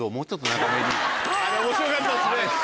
あれ面白かったですね。